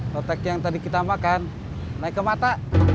protek yang tadi kita makan naik ke mata